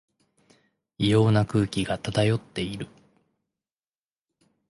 異様な空気が漂っている